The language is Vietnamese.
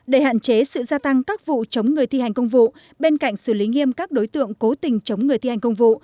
để hạn chế sự gia tăng các vụ chống người thi hành công vụ bên cạnh xử lý nghiêm các đối tượng cố tình chống người thi hành công vụ